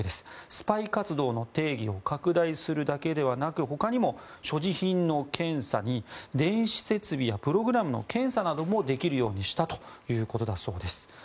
スパイ活動の定義を拡大するだけではなく他にも、所持品の検査に電子設備やプログラムの検査などもできるようにしたということだそうです。